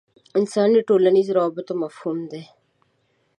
انساني ټولنیزو روابطو مفهوم دی.